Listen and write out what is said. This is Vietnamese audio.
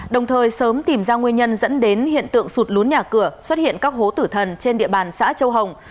đồng thời sớm tìm ra nguyên nhân dẫn đến hiện tượng sụt lún nhà cửa xuất hiện các hố tử thần trên địa bàn xã châu hồng